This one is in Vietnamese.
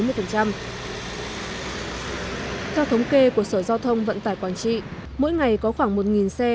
theo thống kê của sở giao thông vận tải quảng trị mỗi ngày có khoảng một xe